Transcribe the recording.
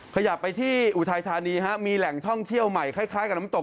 ขยับไปที่อุทัยธานีฮะมีแหล่งท่องเที่ยวใหม่คล้ายกับน้ำตก